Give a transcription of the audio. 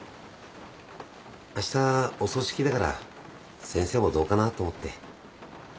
あしたお葬式だから先生もどうかなと思って。